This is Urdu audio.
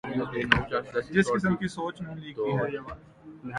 جس قسم کی سوچ ن لیگ کی ہے۔